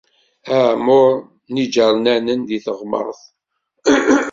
Aεemmur n yiǧernanen di teɣmert.